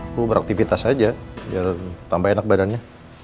aku beraktivitas aja biar tambah enak badannya